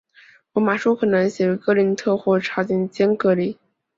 罗马书可能写于哥林多或靠近坚革哩。